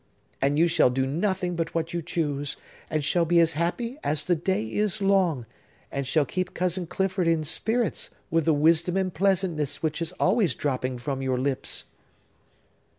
And you shall do nothing but what you choose, and shall be as happy as the day is long, and shall keep Cousin Clifford in spirits with the wisdom and pleasantness which is always dropping from your lips!"